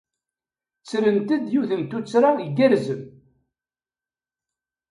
Ttrent-d yiwet n tuttra igerrzen.